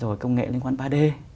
rồi công nghệ liên quan ba d